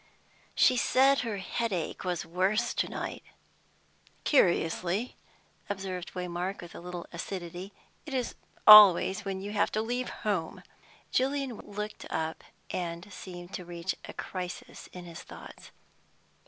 "She said her headache was worse to night." "Curiously," observed Waymark, with a little acidity, "it always is when you have to leave home." Julian looked up, and seemed to reach a crisis in his thoughts.